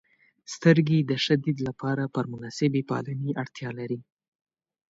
• سترګې د ښه دید لپاره پر مناسبې پالنې اړتیا لري.